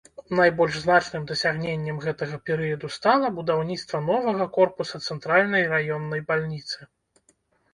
Найбольш значным дасягненнем гэтага перыяду стала будаўніцтва новага корпуса цэнтральнай раённай бальніцы.